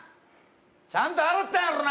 ちゃんと洗ったんやろな